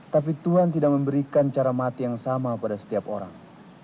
tapi tuhan tidak memberikan cara mati yang sama pada setiap orang